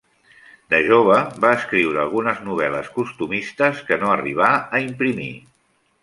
De jove va escriure algunes novel·les costumistes que no arribà a imprimir.